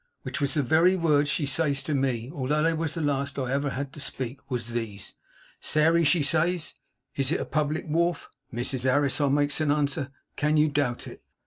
Which was the very words she says to me (although they was the last I ever had to speak) was these: "Sairey," she says, "is it a public wharf?" "Mrs Harris," I makes answer, "can you doubt it?